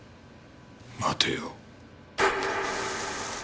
待てよ。